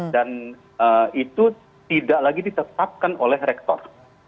dan itu tidak lagi ditetapkan oleh rektor